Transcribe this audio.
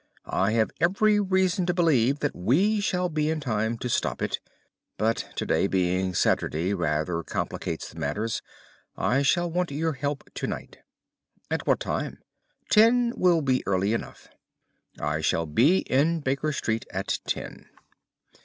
I have every reason to believe that we shall be in time to stop it. But to day being Saturday rather complicates matters. I shall want your help to night." "At what time?" "Ten will be early enough." "I shall be at Baker Street at ten."